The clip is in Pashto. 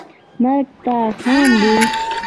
مرګ ته خاندي